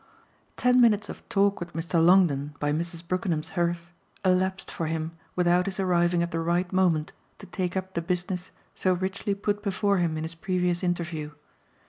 IV Ten minutes of talk with Mr. Longdon by Mrs. Brookenham's hearth elapsed for him without his arriving at the right moment to take up the business so richly put before him in his previous interview.